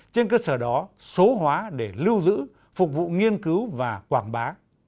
trên cơ sở đó số hóa để lưu giữ phục vụ nghiên cứu và quảng bá